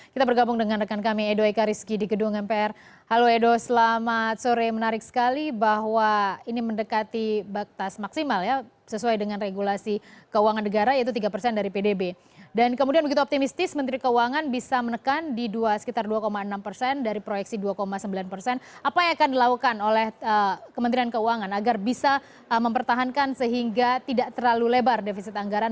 kementerian keuangan agar bisa mempertahankan sehingga tidak terlalu lebar defisit anggaran